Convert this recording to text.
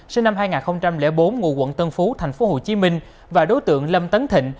sinh năm hai nghìn bốn ngụ quận tân phú tp hcm và đối tượng lâm tấn thịnh